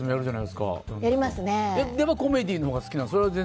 でも、コメディーのほうが好きなんですか？